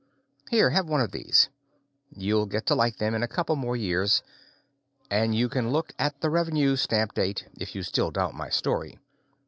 Here, have one of these. You'll get to like them in a couple more years. And you can look at the revenue stamp date, if you still doubt my story.